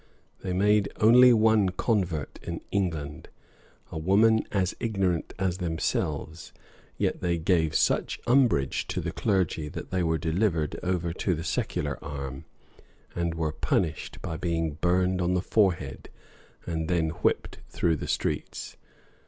They made only one convert in England, a woman as ignorant as themselves; yet they gave such umbrage to the clergy, that they were delivered over to the secular arm, and were punished by being burned on the forehead, and then whipped through the streets.